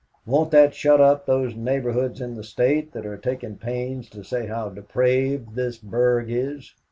Won't that shut up those neighborhoods in the State that are taking pains to say how depraved this burg is?